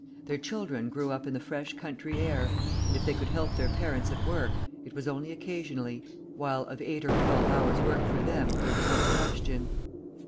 Their children grew up in the fresh country air, and, if they could help their parents at work, it was only occasionally; while of eight or twelve hours work for them there was no question.